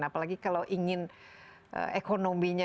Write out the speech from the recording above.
apalagi kalau ingin ekonominya